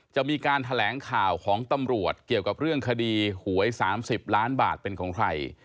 จะมีการแถลงข่าวของตำรวจเกี่ยวกับเรื่องคดีหวย๓๐ล้านบาทเป็นของใคร